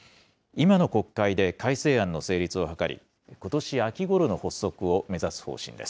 今の国会で改正案の成立を図り、ことし秋ごろの発足を目指す方針です。